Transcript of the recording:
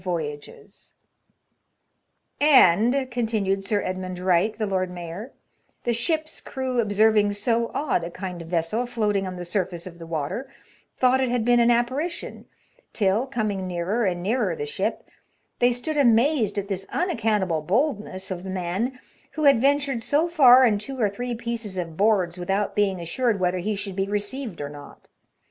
90 HAZARDOUS VOYAGES, " and," continued Sir Edmund Wright, the Lord Mayor, " the 8hip*s crew observing so odd a kind of vessel float ing on the surface of the water, thought it had been an apparition, till, coming nearer and nearer the ship, they stood amazed at this unaccountable boldness of the man, who had ventured so far in two or three pieces of boards without being assured whether he should be received or not.